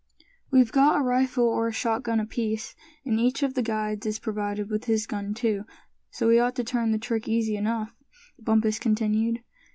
"We've got a rifle or a shotgun apiece; and each of the guides is provided with his gun too, so we ought to turn the trick easy enough," Bumpus continued.